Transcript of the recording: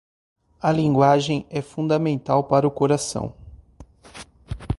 A linguagem é fundamental para o coração.